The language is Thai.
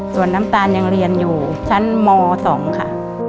ส่วนน้ำตาลยังเรียนอยู่ชั้นม๒ค่ะ